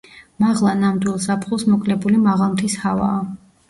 მაღლა ნამდვილ ზაფხულს მოკლებული მაღალმთის ჰავაა.